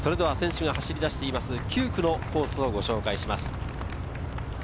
選手が走りだしている９区のコースをご紹介します。